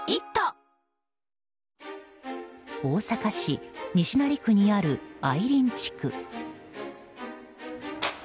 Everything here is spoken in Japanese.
大阪市西成区にあるあいりん地区。